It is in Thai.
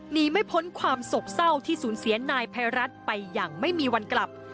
หนีไม่พ้นความโศกเศร้าที่สูญเสียนายภัยรัฐไปอย่างไม่มีวันกลับ